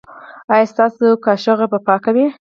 ایا ستاسو کاشوغه به پاکه وي؟